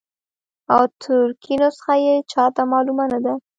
او ترکي نسخه یې چاته معلومه نه ده.